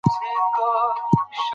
هغه ګاونډي هیواد ته لاړ